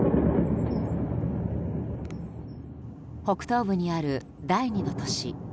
北東部にある第２の都市